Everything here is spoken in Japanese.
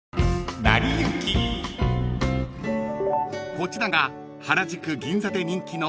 ［こちらが原宿銀座で人気の］